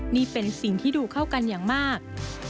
นี่เป็นสิ่งที่ดูเข้ากันอย่างมาก